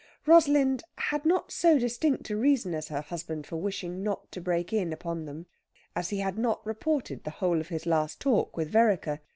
Rosalind had not so distinct a reason as her husband for wishing not to break in upon them, as he had not reported the whole of his last talk with Vereker.